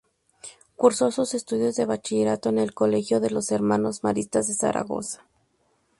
Cursó sus estudios de bachillerato en el colegio de los Hermanos Maristas de Zaragoza.